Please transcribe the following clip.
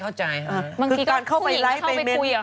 มันก็เข้าไปไล่ไป